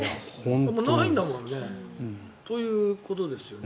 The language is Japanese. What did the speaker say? もうないんだもんね。ということですよね。